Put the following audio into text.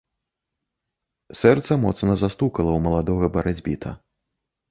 Сэрца моцна застукала ў маладога барацьбіта.